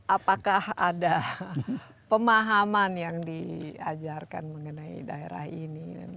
apakah ada pemahaman yang diajarkan mengenai daerah ini